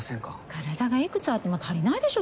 体がいくつあっても足りないでしょ